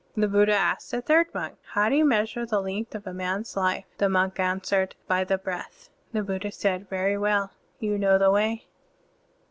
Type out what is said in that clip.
The Buddha asked a third monk, "How do you measure the length of a man's life?" The monk answered, "By the breath." The Buddha said, "Very well, you know the Way."